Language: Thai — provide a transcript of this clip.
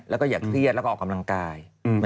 แล้วก็อย่าเครียดแล้วก็ออกกำลังกาย